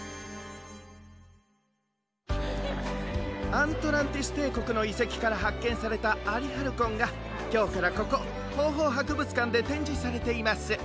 アントランティスていこくのいせきからはっけんされたアリハルコンがきょうからここホーホーはくぶつかんでてんじされています。